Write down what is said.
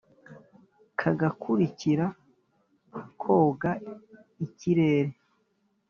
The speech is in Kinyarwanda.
kagakurikira koga ikirere